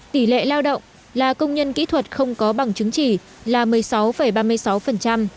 tỷ lệ lao động là công nhân kỹ thuật không có bằng chứng chỉ là một mươi sáu ba mươi sáu